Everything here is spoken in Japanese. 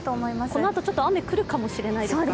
このあとちょっと雨が来るかもしれないですか？